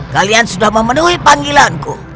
kalian sudah memenuhi perintahmu